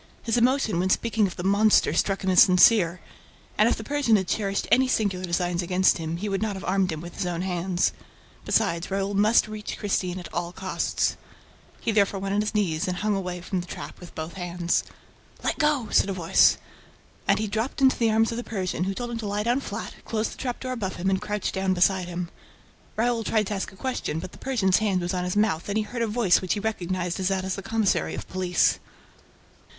His emotion when speaking of the "monster" struck him as sincere; and, if the Persian had cherished any sinister designs against him, he would not have armed him with his own hands. Besides, Raoul must reach Christine at all costs. He therefore went on his knees also and hung from the trap with both hands. "Let go!" said a voice. And he dropped into the arms of the Persian, who told him to lie down flat, closed the trap door above him and crouched down beside him. Raoul tried to ask a question, but the Persian's hand was on his mouth and he heard a voice which he recognized as that of the commissary of police.